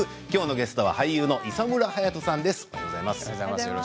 ゲストは俳優の磯村勇斗さんです。